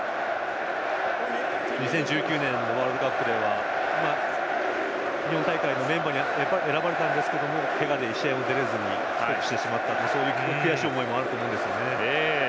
２０１９年のワールドカップでは日本大会のメンバーに選ばれたんですけれどもけがで試合に出れずに帰国してしまった悔しい思いもあると思いますので。